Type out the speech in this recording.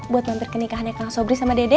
buat mampir ke nikahannya kang sobri sama dede